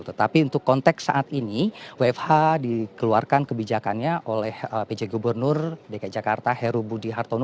tetapi untuk konteks saat ini wfh dikeluarkan kebijakannya oleh pj gubernur dki jakarta heru budi hartono